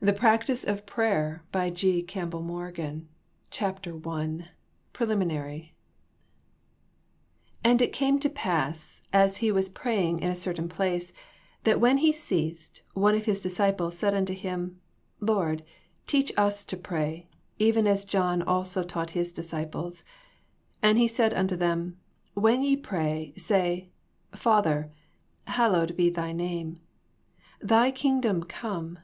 The Practice of Prayer .. .103 PRELIMINARY *^ And it came to pass, as He was praying in a certain place, that when He ceased, one of His disciples said unto Him, Lord, teach us to pray, even as John also taught his disciples. And He said unto them. When ye pray, say. Father, Hallowed be Thy name. Thy kingdom come.